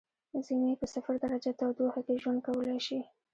ځینې یې په صفر درجه تودوخې کې ژوند کولای شي.